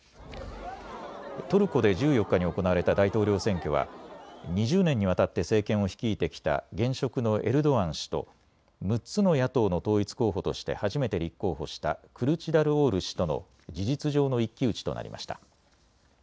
トルコで１４日に行われた大統領選挙は２０年にわたって政権を率いてきた現職のエルドアン氏と６つの野党の統一候補として初めて立候補したクルチダルオール氏との事実上の一騎打ちとなりました。